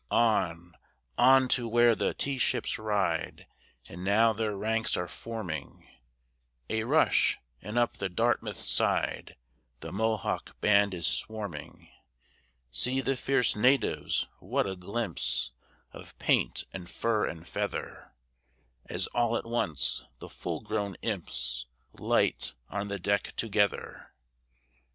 On on to where the tea ships ride! And now their ranks are forming, A rush, and up the Dartmouth's side The Mohawk band is swarming! See the fierce natives! What a glimpse Of paint and fur and feather, As all at once the full grown imps Light on the deck together!